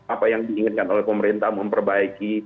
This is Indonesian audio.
apa yang diinginkan oleh pemerintah memperbaiki